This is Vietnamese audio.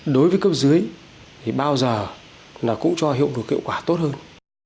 đối với cấp dưới thì bao giờ là cũng cho hiệu lực hiệu quả tốt hơn